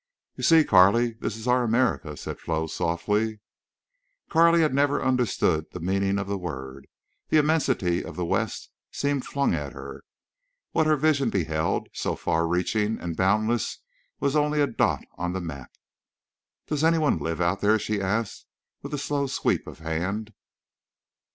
"You see, Carley, this is our America," said Flo, softly. Carley had never understood the meaning of the word. The immensity of the West seemed flung at her. What her vision beheld, so far reaching and boundless, was only a dot on the map. "Does any one live—out there?" she asked, with slow sweep of hand.